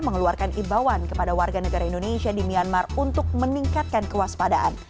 mengeluarkan imbauan kepada warga negara indonesia di myanmar untuk meningkatkan kewaspadaan